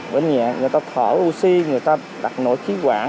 bệnh nhẹ người ta khỏi oxy người ta đặt nội khí quản